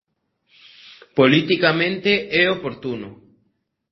Politicamente é oportuno.